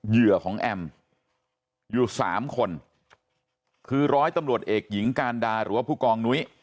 เหยื่อของแอมอยู่สามคนคือร้อยตำรวจเอกหญิงการดาหรือว่าผู้กองนุ้ย